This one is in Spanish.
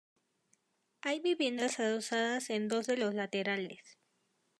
Hay viviendas adosadas en dos de los laterales.